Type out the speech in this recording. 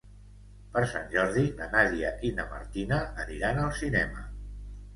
Per Sant Jordi na Nàdia i na Martina aniran al cinema.